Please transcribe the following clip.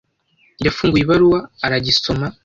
yafunguye ibaruwa aragisoma.